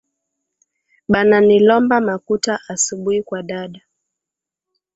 Bana nilomba makuta asubui kwa dada